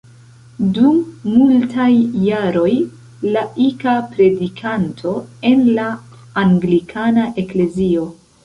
Dum multaj jaroj laika predikanto en la anglikana eklezio.